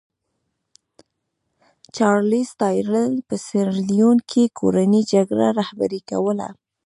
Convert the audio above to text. چارلېز ټایلر په سیریلیون کې کورنۍ جګړه رهبري کوله.